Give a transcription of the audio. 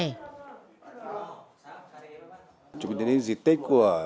ví dụ như cái đúng allez